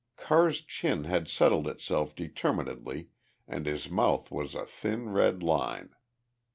Carr's chin had settled itself determinedly and his mouth was a thin red line.